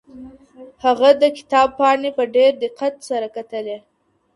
هغه د کتاب پاڼې په ډېر دقت سره کتلې.